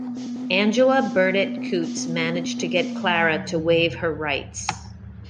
Angela Burdett-Coutts managed to get Clara to waive her rights.